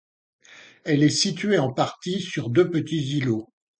Elle est située en partie sur deux petits îlots.